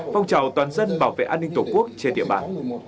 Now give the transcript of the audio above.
phong trào toàn dân bảo vệ an ninh tổ quốc trên địa bàn